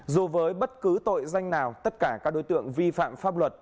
dù với bất cứ tội danh nào tất cả các đối tượng vi phạm pháp luật